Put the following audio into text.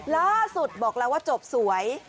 ล่าสุดบอกแล้วว่าจบสวย